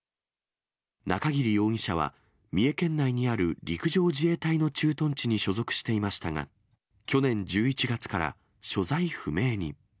中桐容疑者は、三重県内にある陸上自衛隊の駐屯地に所属していましたが、去年１１月から所在不明に。